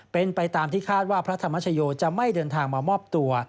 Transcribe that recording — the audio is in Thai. เป็นไปตามที่คาดว่าพระธรรมชโยจะไม่เดินทางมามอบตัว